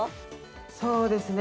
そうですね